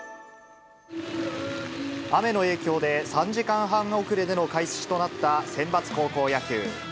雨の影響で、３時間半遅れでの開始となったセンバツ高校野球。